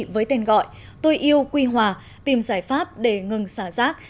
với tên gọi tôi yêu quy hòa tìm giải pháp để ngừng xả rác